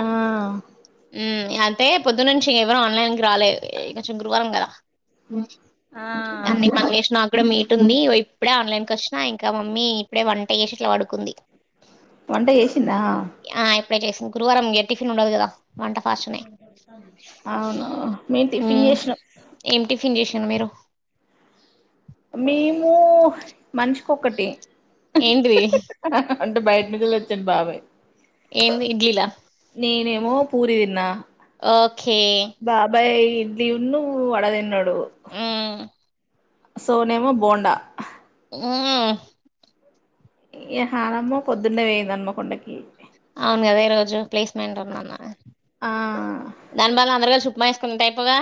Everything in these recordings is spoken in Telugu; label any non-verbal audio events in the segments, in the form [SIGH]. ఆ ఉమ్ ఇగ అంతే పొద్దు నుంచి ఎవరు ఆన్లైన్కి రాలేద్ కొంచెం గురువారం కదా అన్ని మమేష్ నాగూడ మీ టుంది వైప్ ఇప్పుడే ఆన్లైన్కి వచ్చినా ఇంకా మమ్మీ ఇప్పుడే వంట చేసి ఇట్ల పడుకుంది వంట చేసిందా ఆ ఇప్పుడే చేసింది గురువారం టిఫిన్ ఉండదు కదా వంట ఫాస్ట్ నే అవును మేం టిఫిన్ హ్మ్ చేసినం ఏం టిఫిన్ చేసింద్ మీరు మీ ఓ మన్ష్ పోకటే ఏంటిది అంటే బయట మీదలోచన్ బాబాయ్ ఏవీ ఇడ్లిలా నేనేమో పూరి విన్నా ఓకే లివినూ వాడాదినాడ్ డోహు హ్మ్ సోనేమో బోండా హుహ్ ఈహనమ్మో పొద్దున్నే వేయిందన్మకొండకి అవును కదా ఈ రోజు క్ల్లెస్మెంట్ ఉందన్నారా ఆ దాని భాదల్ అందరు గల్చుప్ మైస్కుంట్ టైపోగా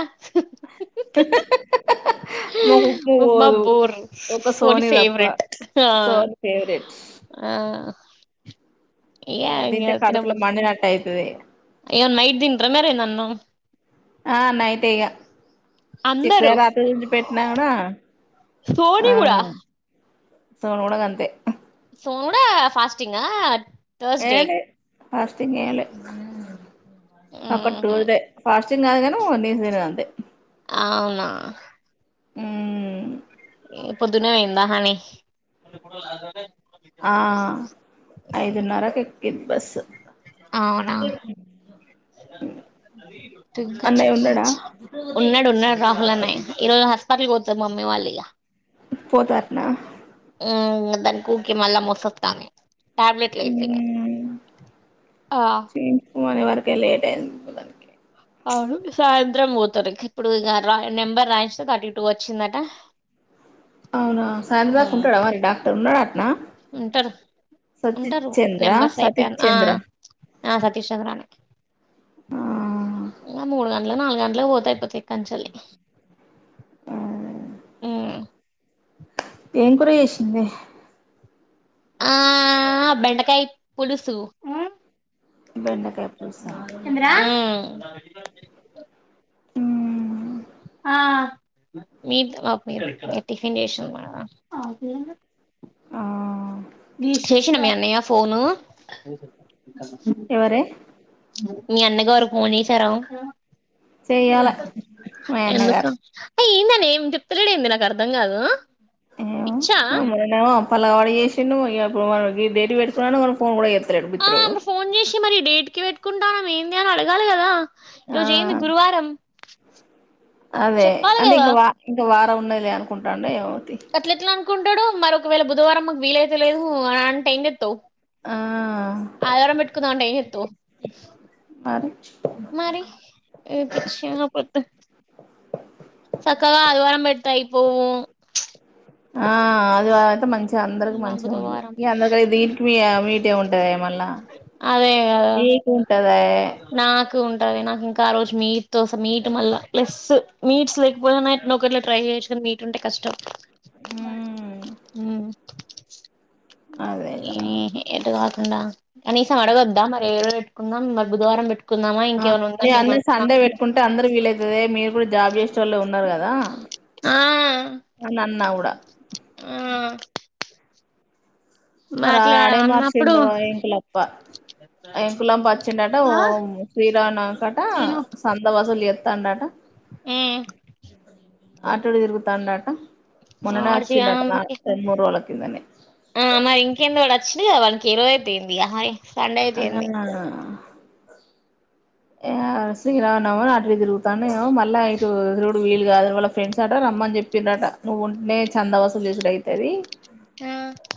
మాకు ఉప్మా పోదు బోర్ ఒక సోని తప్ప ఫేవరెట్ ఆ సోని ఫేవరెట్ ఆ ఆ ఇగ అది తింటే కడుపులో మండినట్టు అయితది అయో నైట్ దీంట్రా మరే నన్ను చెప్పారా ఆత్ర నుంచి పెట్టినాడా ఫోన్ ఇవుడా సోనూగూడ గంతే సో కూడా ఫస్టింగ్డ్ ఏలే ఫాస్టింగ్ ఏలే గా ఒక ఊహు టూల్ డే ఫాస్ట్ంగ్ కాదుగాను నీస్ తిన్ అంతే ఆహ్ ఊహ్ ఏ పొద్దునే ఓయిందా హాని ఆ ఐదున్నరకు ఎక్కింద్ బస్సు [INAUDIBLE] అన్నయ్య ఉన్నాడా ఉన్నాడ ఉన్నాడు రాహుల్ అన్నయ్య ఈరో హాస్పటల్ పోత్ మమ్మీ వాల్లిగా పోతార్నా దన్ ఊకే మళ్ళా మోసస్తామే టాబ్లెట్ల అయిపోయినయ్ ఆ మోన్ వరకే లేట్ అయింది. గుద్దనికే అవును సాయంత్రం పోతారు. ఇంక ఇప్పుడు ఇగా రాయ్ నెంబర్ రాయిస్తే థర్టీ టూ వచ్చిందట అవునా సాయంత్రం దాక మ్ ఉంటడా మరి డాక్టర్ ఉన్నాడటనా ఉంటారు సతీష్ ఉంటారు చంద్ర నెంబర్స్ సతీష్ అయిపోయాను ఆ చంద్ర ఆ సతీష్ చంద్రాణే ఆ ఇంగా మూడు గంటలు నాలుగు గంటలు పోతే అయిపోతది కంచల్లి ఏం కూర చేసింది ఆ బెండకాయ పులుసు ఉ బెండకాయ పులుసా [INAUDIBLE] అ మీరు కాదు మేము టిఫిన్ చేసినం అడా ఆ నీకు చేసిండా మీ అన్నయ ఫోను [INAUDIBLE] ఎవరే మీ అన్న గారు ఫోన్ చేసారా చెయ్యాల మా ఎందుకు అన్నగారు అబ్బా యిందనే ఎమి చెప్తలేడెందే నాకు అర్థం కాదు ఏమో పిచ్చా మారినేమో పలగవాడి చేసిండు ఇగ సోమవారం రోజు ఈడేట్ పెట్టుకున్నా కానీ ఫోన్ కూడా చేస్తలేడు ఆ బిత్తిరోడ్ ఫోన్ చేసి మరి డేట్ కి పెట్టుకుంటానం ఏంది అని అడగాలి గదా ఆ ఈరోజేంది గురువారం అదే చెప్పాలి అంటే కదా ఇంకా వా ఇంకా వా ఉన్నాయలే అనుకుంటాండెమో అట్లా ఎట్లా అనుకుంటాడు మరిొకవేళ బుధవారం మాకు వీలైతే లేదు అని అంటే ఏంచెప్తావ్ ఆ అదివారం పెట్టుకుందాం అంటే ఎమ్చేస్తావ్ మరి మరి ఏ పిచ్చి కాకపోతే సక్కగా అదివారం పెడితే అయిపోవు ఆ అది అయితే మంచిగా అందరికి మా మంచిగా ఉంది బుధవారం అందరిక దీనికి మీ మీటే ఉంటాయి మా అదే గదా సరే ఉంటది నాకు ఇంకా ఆ రోజు మీట్ తోస మీట్ మళ్ళ ప్లస్ మీట్స్ లేకపోయినా ఒకలా ట్రై చేయొచ్చు కాని మీట్ ఉంటే కష్టం మ్మ్ ఉ అదే కదా ఏహే ఎంటు గాదు అండా క నీసం అడగోదా ఏడ పెట్టుకుందాం బుధవారం పెట్టుకుందామా ఇంకేమైనా ఉందా నేను మీ అన్నది మనసులో సండే పెట్టుకుంటే అందరు వీలవుతదె మీరు కూడా జాబ్ చేసే వాళ్ళు ఉన్నారు గదా ఆ ఆ ఆ మరి అట్లా ఆడే అన్నప్పుడు మార్చిండు ఎంకులప్ప ఎంకులప వచ్చిండట ఆ శ్రీరానాకట తిను సంద వాసులు ఎత్తాంండట ఆటడు తిరుగుతాండాట మోననే వాడు వచ్చిట ర రెండు మూ రోలకే ఇందనే ఆ మా ఇం టి కంద వాడ్ అచ్చివనికి రయింది అే అన్నానా అ శ్రీరామానవమి అట్లే తిరుగుతానుేో మళ్ళా ఇటురుడు వీలు కాదు వాళ్ళ ఫ్రెండ్స్ అట రమ్మని చెప్పి్రట నువ్వు ఉంటేనే చంద వసూల్ చూసిడు అయితది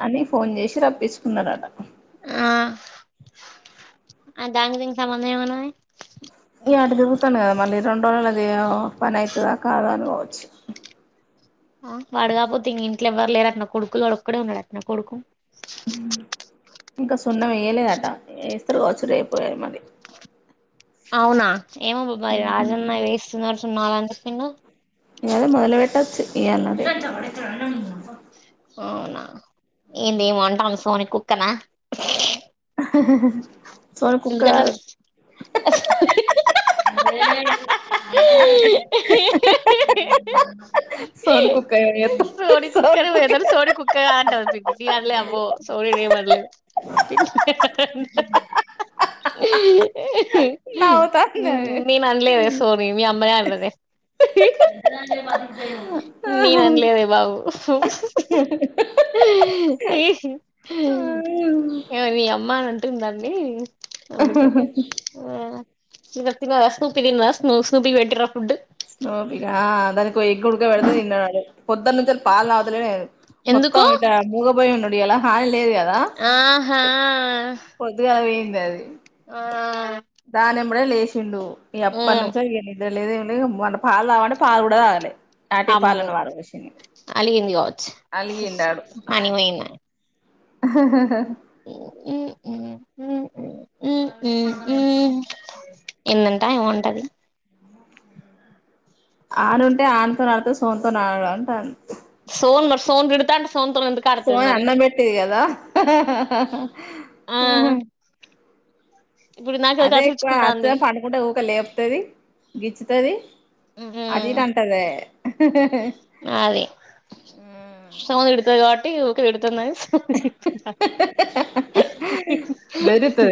అని ఫోన్ చేస్ రప్పసుకున్నాారట ఆ దానికి దీనికి సంబధం ఏమన్నాది ఇ ఆట తిరుగుతాను కదా మళ్ళీ రెడు రోజులు అది పని అవుతుందా కాదు అనుకోవచ్చు ఆ వాడ కాపోతే ఇంక ఇంట్లో ఎవ్వరు లేరు అట్న కొడుకులు వాడు ఒక్కడే ఉన్నాడు అట్న కొడుకు ఇంకా స్కూ సున్నం వేయలేదట ఎ ఎత్ర కోచ్చ రేపు యారు మరి అవునా ఏమో బాబ్బాయి రాజన్న వేస్తున్నారు న్నాాల చెప్పిండు ఇది మదలవెట్టచ్చ ఈ అన్నది అవునా ఏంది ఏమి అంటాం సోని కుక్కనా సోను కుక్క ఎందుకట్లా కాదు సోను కుక్క చేత్తాంది సోనీ కుక్క సోను ఏేదరు సోనీ కుక్క కాద్ అంట పిండిటీ అలేదు అబ్బో సోనీ నీ ఏం అనలేదు నవ్వుతాంది అది నేను అనలేదే సోని మీ నేననలేదే బాబు ఏ మీ అమ్మా ఉంటుదండి అమ్మి కడే ఆ ఇదిర్త స్ూపిన్ స్ స్ూపికి పెటిరా ఫుడ్ స్నాఫీ దా కొ గుడగా వెళ్డద ఇనాడ పోదన్న నుంచల్ పాల్ తగుతలే మొత్తం ఎందుకు ఇంట మూగాపోయి ఉన్నాడు ఈయల హా లేవు గా ఆహా పొద్దుగావే తది ఆ ఇప్పుడే లేసిండు ఈ ఎప్ప మ్ నుంచో [UNINTELLIGIBLE] నిద్దర లేదు ఏమి లేదు మొన్న పాలు తాగమంటే పాలు కూడా తాగలే అటే అమ్మ పాలను పారబోసింది అలిగింది కావచ్చు అలిగిండాడు అనిమయింద ఎ ఉంటది ఆను ఉంటే ఆనుతోనిడుత సోంత కొన్నాడు అంటా సోన్ మరి సోన్డుతాంట సోన అన్నం పెెట్టది కదా ఆ ఇప్పుడు నాకు అది అదేక్కు కసిరిచ్చుకుంటాంది అస్త పడుకుంటే క లేపోతుది గిచ్చుతది అటు హమ్ ఇటు అంటదే గది సౌండ్ పెడ్తే పెడుతంద బరితు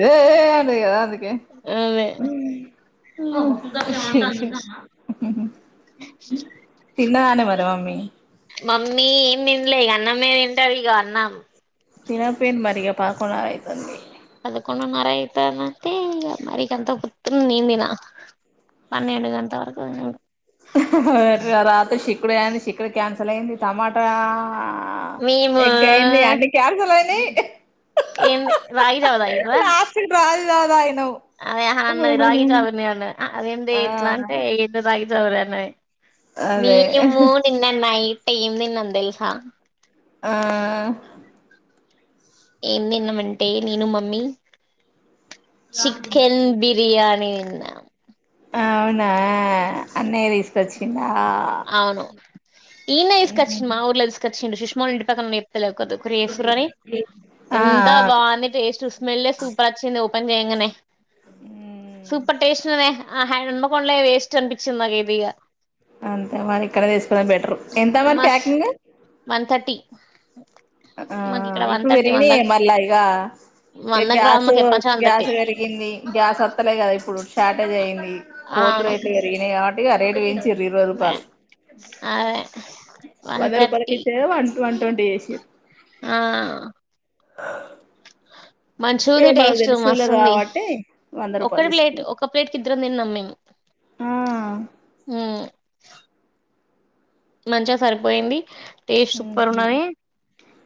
అదే తిన్నదనే మరి మమ్మీ మమ్మీ ఏం తంలేక అన్నమే తింటి ఇక అన్నం తినపెన్ మరిగా పదకొండు ఆయితంది పదకొండున్నర అయితదంటే ఇగ మరికంత పొద్దున్న నిందిన పన్నెండు గంట వరకు రాత శీ కుడుగాయంది సిక్కుడు క్యాన్సల్ అయ్యింది తమాటా ఆ మేము ఎక్కేయండీ అన్ని కాన్సల్ అయినాయ్ ఏమి రాగి జావ తాగినవా తాగిన అదే అన్నది రాగి జావానే అన్న అ అదేందే ఆ ఇట్ల అంటే ఏందో రాగి జావానే నై అదే మీము నిన్నన్నాయి ఏం తిన్నం తెల్సా ఆ ఏం తిన్నమంటే నేను మమ్మీ చికెన్ బిర్యానీ లా అవునా ఆ అన్నయ్య తీస్ కొచ్చిండా అవును ఈడ్నే తీస్కచ్చిండు మా ఊర్ల తీస్కచ్ కచ్చిండు సుష్మ వాళ్ళ ఇంటి ప [UNINTELLIGIBLE] ఆ ఎంత ఆ బాగుంది టేస్ట్ స్మెల్లే సూపర్ వచ్చింది పన్ జేయంగనే సూపర్ టేస్ట్ ఉన్నదే ఆ హన్పకొండలయి వేస్ట్ అన్పించింది నాకైతే ఇగ అంతే మరి ఇక్కడ తీస్కునది బెటరరు ఎంత మరి మస్ ప్యాకింగ్ ఓ ఆ ఇప్పుడు పెరిగినయే మళ్ళ ఇగ ఇగ వంద గ్యాస్ గ్రాములకి ఎప్పనుంచో వన్ గ్యాస్ థర్టీ పెరిగింది. గ్యాస్ అత్తలే కదా ఇప్పుడు షార్టేజ్ అయింది కోల్ అవును రేట్లు పెరిగినయి కాబట్టి ఇగ రేట్ పెం ఇ ఇరవై రూపాయల్ అదే వన్ వంద రూపాయలకి థర్టీ ఇచ్చే వన్ వన్ ట్వంటీ చేసింరు ఆ ఇగ మంచిగుంది మనకు టేస్ట్ తెలిసినోళ్లే మస్తుంది కాబట్టి వంద రూపాయలు ఒకటి ప్లేట్ తీసుకున్నాం ఒక ప్లేట్కి ఇద్దరం తిన్నాం మేము ఆ మ్ మంచిగా సరిపోయింది. టేస్ట్ సుప్పర్ ఉహు ఉన్నది.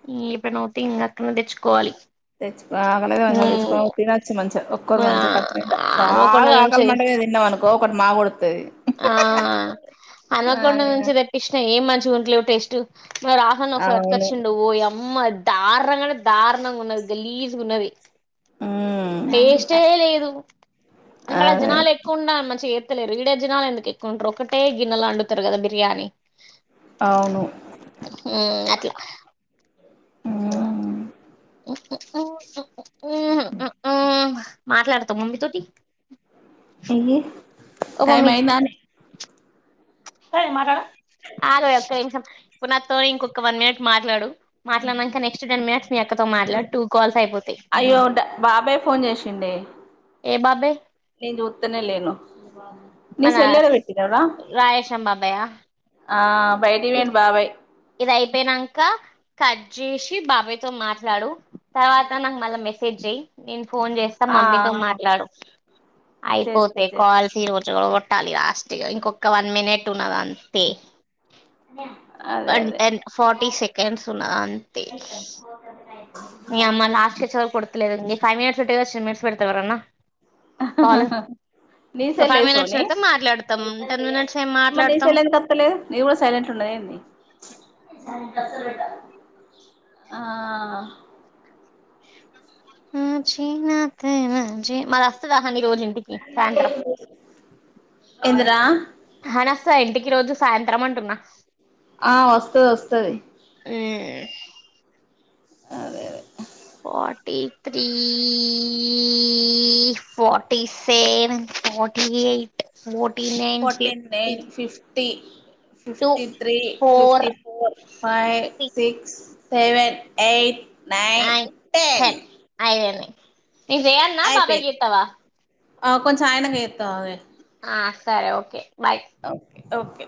[UNINTELLIGIBLE] తెచ్చుకోవాలి తెచ్చు ఆకలతే మంచిగా తెచ్చుకొని తినచ్చు మంచిగా ఒక్కరు ఆ మంచిగా కడుపునిండా హన్మకొండ బాగా నుంచి ఆకలిమంట మీద తిన్నావనుకో ఒకటి మా ఒడుత్తది. ఆ ఆ చూట్లెవ్ టెస్ట్ మా రాహుల్ అన్న ఒకసార్ అవును పట్కచ్చిండు ఓయమ్మ దారుణంగ అంటే దారుణంగా ఉన్నద్ గలీజ్గున్నది. ఉమ్ టేస్టే లేదు అంతల అదే జనాలు ఎక్కువ ఉండాల మంచిగా లేరు ఈడ జనాలు ఎందుకు ఎక్కుంటరు ఒకటే గిన్నెల అండుతారు కదా బిర్యానీ అవును హు అట్లా ఉ మాట్లాడతా మమ్మీ తోటి టియి టైమ్ అయిందానే సరే మాట్లాడ ఆగవే ఓక్కనిమిషం ఇప్పుడు నాతో ఇంకొక వన్ మినిట్ మాట్లాడు మాట్లాటినంక నెక్స్ట్ టెన్ మినిట్స్ మీ అక్కతో మాట్లాడు టూ కాల్స్ ఐపోతై అయ్యో బాబాయ్ ఫోన్ చేసిండే ఏ బాబాయి నేను చుత్తనే లేేను నీ మన సెల్ ఏడ పెట్టి నవ రాయేశం బాబాయా ఆ ఇది బైటివేన్ బాబాయి ఇది అయిపోయినంక కట్ చేసి బాబాయి తో మాట్లాడు తర్వాత నాకు మళ్ళా మెసేజ్ చెయ్యి నేను ఫోన్ చేస్తా ఆ మమ్మీతో మాట్లాడు చేస్తా అయిపోతయి చేస్తా కాల్స్ ఈరోజు ఓడ పెట్టాలి లాస్ట్ ఇగా ఇంకొక వన్ మినిట్ ఉన్నది అంతే బ వన్ టెన్ ఫార్టీ సెకండ్స్ ఉన్నా అంతే మీ అమ్మ లాస్ట్ కచేవరకు కొడతలేదండి ఫైవ్ మినిట్స్ పెట్టేెగా టెన్ మినిట్స్ పెడతర ఎవరన్న కాలు నీ సెల్ ఫైవ్ మినిట్స్ ఏసోని పెడితే మాట్లాడతాం టెన్ మినిట్స్ ఏం మాట్లాడతాం టైయింది ఉం కాసల్ పెట్ట ఆ హు చీనాతేనా చి మరి అస్తదా హాని రోజు ఇంటికి సాయంత్రం ఎంది రా హానాస్త ఇంటికి రోజు సాయంత్రం అంటున్నా ఆ వస్తది వస్తది అదే అదే forty three forty seven Phati eight ఫ ఫిఫ్టీ నైన్ ఫిఫ్టీ టి two fifty three four fifty four five six seven eight nine ten ఇయ్ జయల్నా బాబాయ్ కి అయిపోయింది ఇతావా ఆ కొంచం ఆయనకె ఇద్దాం ఆగే హా సరే ఓకే బాయ్ ఓకె ఓకే